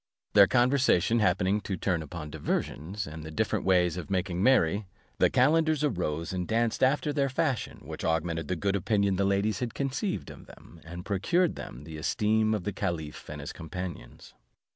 Their conversation happening to turn upon diversions, and the different ways of making merry; the calenders arose, and danced after their fashion, which augmented the good opinion the ladies had conceived of them, and procured them the esteem of the caliph and his companions.